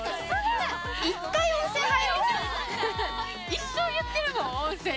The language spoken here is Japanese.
一生言ってるもん。